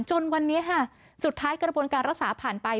จนวันนี้ค่ะสุดท้ายกระบวนการรักษาผ่านไป